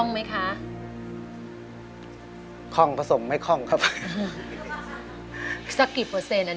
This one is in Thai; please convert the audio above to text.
๙๙บาทเหมือนตะกคีน